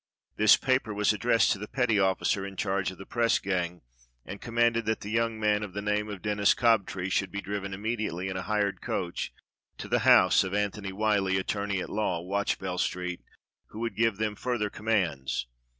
This paper was addressed to the petty officer in charge of the press gang, and com manded that the young man of the name of Denis Cobtree should be driven immediately in a hired coach to the house of Antony Wliyllie, attorney at law, AYatch bell Street, who would give them further commands.